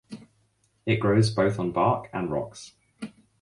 It grows both on bark and rocks.